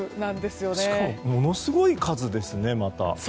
しかもものすごい数ですね。